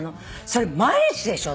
それ毎日でしょ？